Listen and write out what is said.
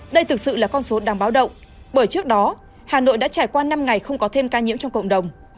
đây thực sự là con số đáng báo động bởi trước đó hà nội đã trải qua năm ngày không có thêm ca nhiễm trong cộng đồng